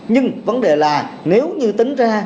nhưng vấn đề là nếu như tính ra